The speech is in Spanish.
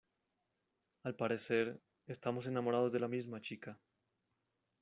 al parecer, estamos enamorados de la misma chica